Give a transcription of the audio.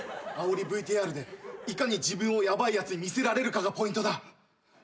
あおりＶＴＲでいかに自分をヤバいやつに見せられるかがポイントだ。